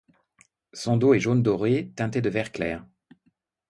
Son dos est jaune doré teinté de vert clair.